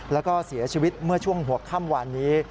แล้วก็เสียชีวิตเมื่อช่วงหัวค่ำวานนี้